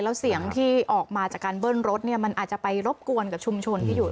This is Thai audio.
แล้วเสียงที่ออกมาจากการเบิ้ลรถเนี่ยมันอาจจะไปรบกวนกับชุมชนที่อยู่